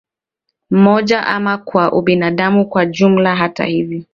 mmoja ama kwa ubinadamu kwa jumla Hata hivyo